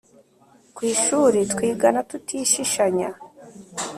ku ishuri twigana tutishishanya